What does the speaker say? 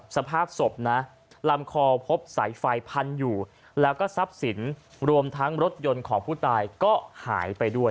สภาพศพนะลำคอพบสายไฟพันอยู่แล้วก็ทรัพย์สินรวมทั้งรถยนต์ของผู้ตายก็หายไปด้วย